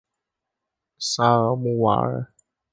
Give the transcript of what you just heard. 沙尔穆瓦尔。